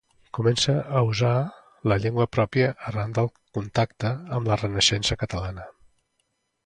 Començà a usar la llengua pròpia arran del contacte amb la Renaixença catalana.